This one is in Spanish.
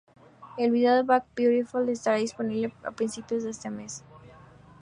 El video de "Back to Beautiful" estará disponible a principios del próximo mes.